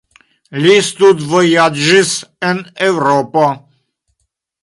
Li studvojaĝis en Eŭropo.